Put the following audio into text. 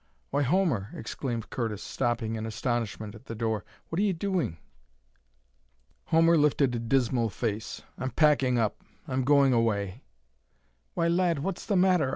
"Why, Homer," exclaimed Curtis, stopping in astonishment at the door, "what are you doing?" Homer lifted a dismal face. "I'm packing up. I'm going away." "Why, lad, what's the matter?